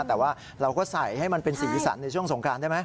แต่ว่าเราก็ใส่ให้มันเป็นสีสันในช่วงสงครานได้ไหม